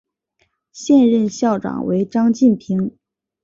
现任校长为张晋平。